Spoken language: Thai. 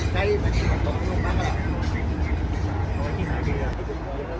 ไม่ได้